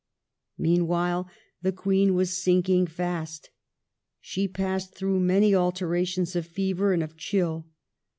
Meanwhile the Queen was sinking fast. She passed through many alternations of fever and of chill.